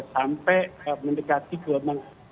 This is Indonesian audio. sampai mendekati gelombang